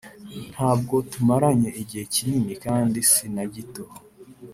ntabwo tumaranye igihe kinini kandi sinagito